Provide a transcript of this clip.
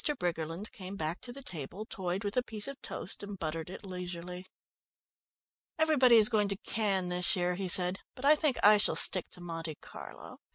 Briggerland came back to the table, toyed with a piece of toast and buttered it leisurely. "Everybody is going to Cannes this year," he said, "but I think I shall stick to Monte Carlo.